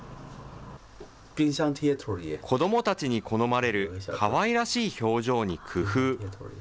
子どもたちに好まれるかわいらしい表情に工夫。